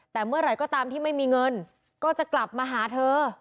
แต่เมื่อไหร่ก็ตามที่ไม่มีเงินก็จะกลับมาหาเธอ